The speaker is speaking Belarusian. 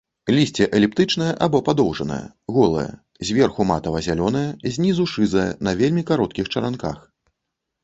Лісце эліптычнае або падоўжнае, голае, зверху матава-зялёнае, знізу шызае, на вельмі кароткіх чаранках.